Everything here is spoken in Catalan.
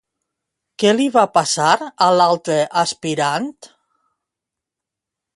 Què li va passar a l'altra aspirant?